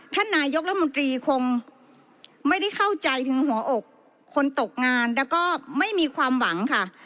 ท่านนายกรัฐมนตรีคงไม่ได้เข้าใจถึงหัวอกคนตกงานแล้วก็ไม่มีความหวังค่ะ